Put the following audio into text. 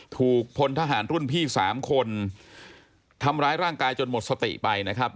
ถูกพลทหารรุ่นพี่สามคนทำร้ายร่างกายจนหมดสติไปนะครับ